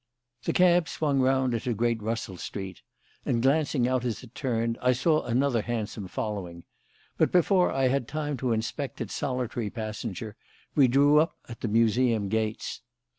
The cab swung round into Great Russell Street, and, glancing out as it turned, I saw another hansom following; but before I had time to inspect its solitary passenger, we drew up at the Museum gates.